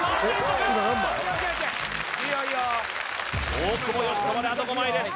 大久保嘉人まであと５枚です